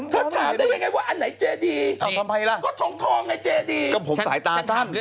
ถ้าถามได้ยังไงว่าอันไหนเจดี